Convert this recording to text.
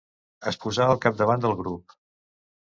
Es posà al capdavant del grup.